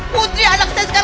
putri anak saya sekarang